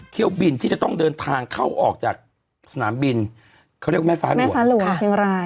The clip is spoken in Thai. เที่ยวบินที่จะต้องเดินทางเข้าออกจากสนามบินเขาเรียกว่าแม่ฟ้าแม่ฟ้าหลวงเชียงราย